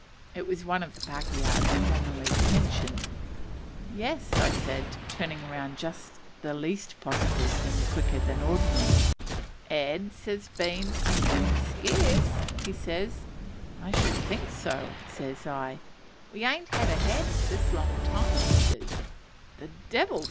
It was one of the pakehas formerly mentioned. "Yes," said I, turning round just the least possible thing quicker than ordinary. "Eds has been a getting scarce," says he. "I should think so," says I. "We an't ad a ed this long time," says he. "The devil!"